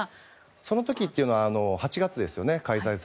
その時というのは８月ですよね、開催が。